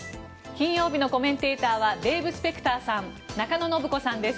金曜日のコメンテーターはデーブ・スペクターさん中野信子さんです。